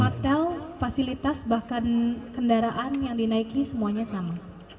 hotel fasilitas bahkan kendaraan yang dinaiki semuanya sama